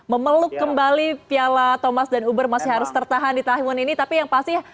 memeluk kembali piala thomas dan uber masih harus tertahan di taiwan ini tapi yang pasti